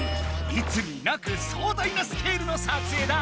いつになくそう大なスケールの撮影だ！